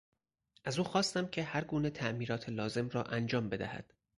از او خواستم که هر گونه تعمیرات لازم را انجام بدهد.